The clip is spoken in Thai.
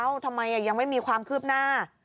ทำไมยังไม่มีความคืบหน้า